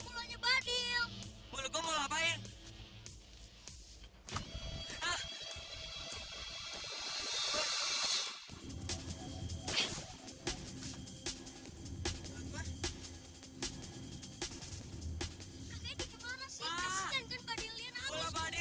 ternyata bener gak yang numpatin si badi